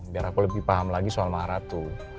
biar aku lebih paham lagi soal maharatu